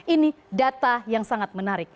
ini data yang sangat menarik